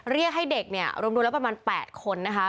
เรียกให้เด็กเนี่ยรวมแล้วประมาณ๘คนนะคะ